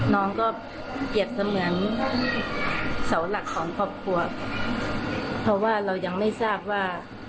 น้องก็เปรียบเสมือนเสาหลักของครอบครัวเพราะว่าเรายังไม่ทราบว่า